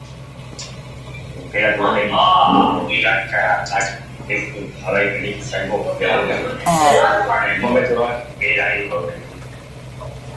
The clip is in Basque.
Tenperaturaren gorakadak ez du jarraipenik izango igandean, termometroak behera egingo baitu.